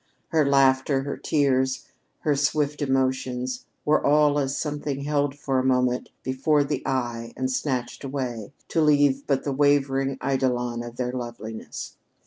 Her laughter, her tears, her swift emotions were all as something held for a moment before the eye and snatched away, to leave but the wavering eidolon of their loveliness.